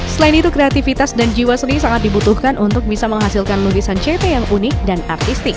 selain itu kreativitas dan jiwa seni sangat dibutuhkan untuk bisa menghasilkan lukisan cp yang unik dan artistik